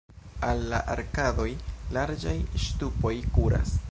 Al la arkadoj larĝaj ŝtupoj kuras.